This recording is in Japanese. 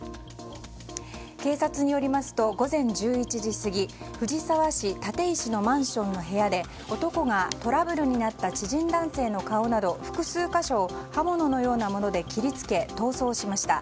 警察によりますと午前１１時過ぎ藤沢市立石のマンションの部屋で男がトラブルになった知人男性の顔など複数箇所を刃物のようなもので切りつけ逃走しました。